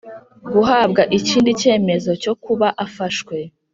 guhabwa ikindi cyemezo cyo kuba afashwe